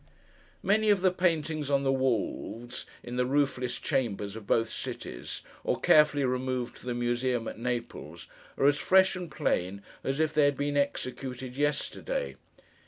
Many of the paintings on the walls in the roofless chambers of both cities, or carefully removed to the museum at Naples, are as fresh and plain, as if they had been executed yesterday.